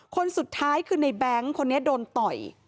คนสุดท้ายคือในแบงค์คนนี้โดนต่อย